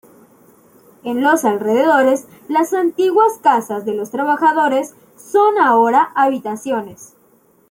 En los alrededores, las antiguas casas de los trabajadores son ahora habitaciones.